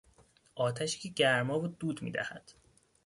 آتشی که گرما و دود میدهد